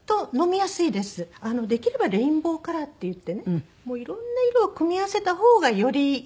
できればレインボーカラーっていってねいろんな色を組み合わせた方がよりいいんですね。